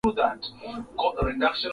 Hali ya unyevu na majimaji